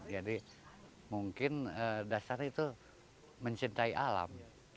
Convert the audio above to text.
jadi mungkin dasarnya itu mencintai alam